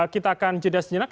kita akan jeda sejenak